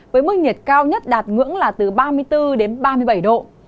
với mức nhiệt cao nhất đạt ngưỡng là từ ba mươi bốn đến ba mươi bảy độ